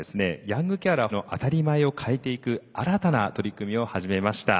ヤングケアラーの当たり前を変えていく新たな取り組みを始めました。